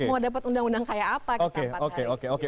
mau dapat undang undang kayak apa kita empat hari